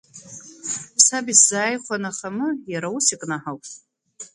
Саб исзааихәан ахамы, иара ус икнаҳауп.